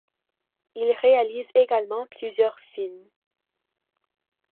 Ils réalisent également plusieurs films.